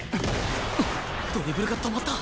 あっドリブルが止まった！